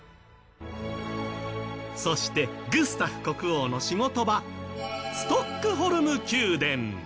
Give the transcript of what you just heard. そしてグスタフ国王の仕事場ストックホルム宮殿。